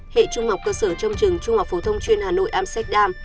hệ trung học cơ sở trong trường trung học phổ thông chuyên hà nội amsterdam